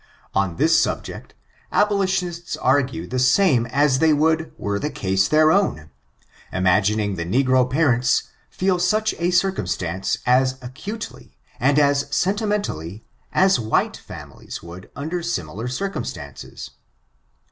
On this subject, abolitionists argue the same as they would were the case their own, imagining that negro parents feel such a circumstance as acutely, and as sentimen tally as white families would under similar circum stances.